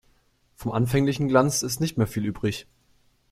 Vom anfänglichen Glanz ist nicht mehr viel übrig.